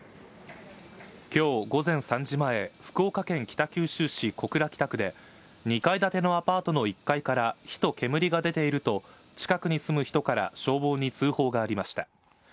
きょう午前３時前、福岡県北九州市小倉北区で、２階建てアパートの１階から、火と煙が出ていると、近くに住む人から消防に通報がありました。